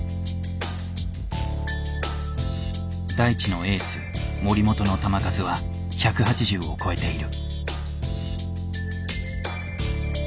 大智のエース森本の球数は１８０を超えている。